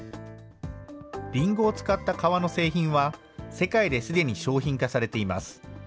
りんごを使った革の製品は、世界ですでに商品化されています。